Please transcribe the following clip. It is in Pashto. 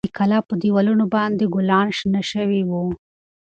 د کلي د کلا په دېوالونو باندې ګلان شنه شوي وو.